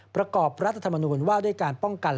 ประกอบรัฐธรรมนูญว่าด้วยการป้องกัน